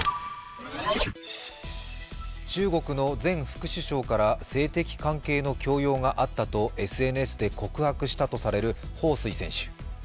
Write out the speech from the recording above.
中国の前副首相から性的関係の強要があったとＳＮＳで告白したとされる彭帥選手。